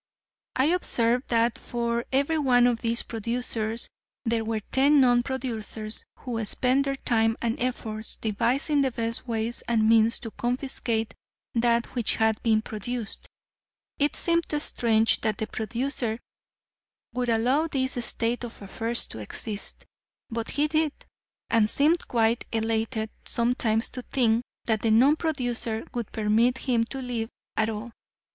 I observed that for every one of these producers there were ten non producers who spent their time and efforts devising the best ways and means to confiscate that which had been produced. It seemed strange that the producer would allow this state of affairs to exist; but he did, and seemed quite elated sometimes to think that the non producer would permit him to live at all.